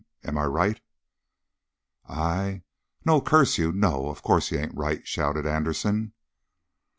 Am I right?" "I no, curse you, no! Of course you ain't right!" shouted Anderson.